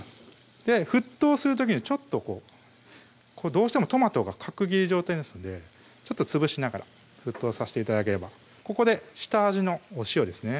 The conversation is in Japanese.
沸騰する時にちょっとこうどうしてもトマトが角切り状態ですのでちょっと潰しながら沸騰さして頂ければここで下味のお塩ですね